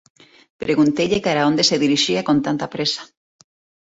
Pregunteille cara a onde se dirixía con tanta présa.